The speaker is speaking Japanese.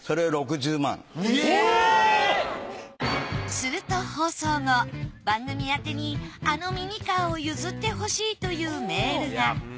すると放送後番組宛てにあのミニカーを譲ってほしいというメールが。